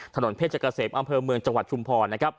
ถนนเพชรกะเสบอำเภอเมืองจังหวัดชุมพร